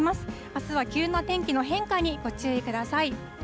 あすは急な天気の変化にご注意ください。